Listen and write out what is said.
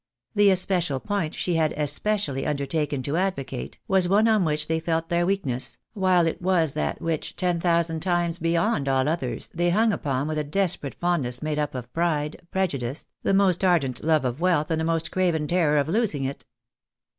The especial point she had especially undertaken to advocate, was one on which they felt their weakness, while it was that which, ten thousand times beyond all others, they hung upon with a desperate fondness made up of pride, prejudice, the most ardent love of wealth, and the most craven terror of losing it.